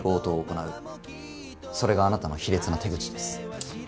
それがあなたの卑劣な手口です。